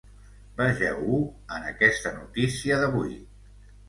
Vegeu-ho en aquesta notícia d’avui.